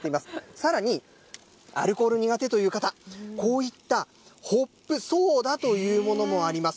さらに、アルコール苦手という方、こういったホップソーダというものもあります。